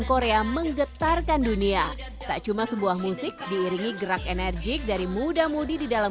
korea menggetarkan dunia tak cuma sebuah musik diiringi gerak enerjik dari muda mudi di dalam